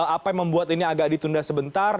apa yang membuat ini agak ditunda sebentar